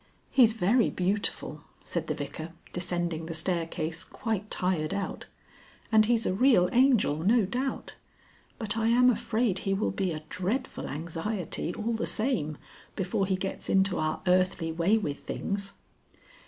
"He's very beautiful," said the Vicar, descending the staircase, quite tired out; "and he's a real angel no doubt. But I am afraid he will be a dreadful anxiety, all the same, before he gets into our earthly way with things."